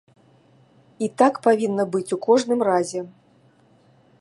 І так павінна быць у кожным разе.